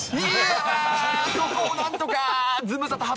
そこをなんとか。